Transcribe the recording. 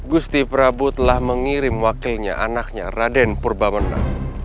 gusti prabu telah mengirim wakilnya anaknya raden purbamena